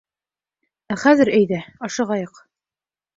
Ә хәҙер, әйҙә, ашығайыҡ.